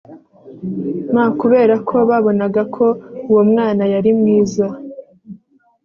m kubera ko babonaga ko uwo mwana yari mwiza